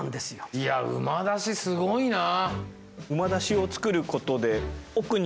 いや馬出しすごいなぁ。